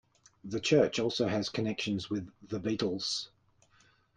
The church also has connections with The Beatles.